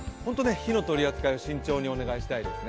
火の取り扱い、本当にご注意をお願いしたいですね。